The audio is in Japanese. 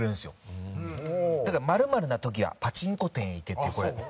だから○○な時はパチンコ店へ行けってこれ。